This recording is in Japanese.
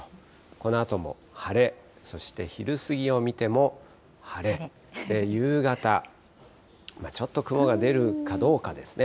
このあとも晴れ、そして昼過ぎを見ても晴れ、夕方、ちょっと雲が出るかどうかですね。